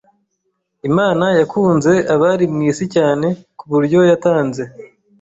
Imana yakunze abari mu isi cyane ku buryo yatanze